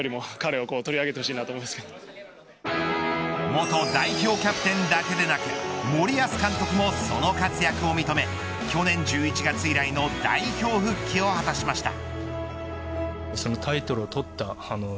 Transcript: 元代表キャプテンだけでなく森保監督もその活躍を認め去年１１月以来の代表復帰を果たしました。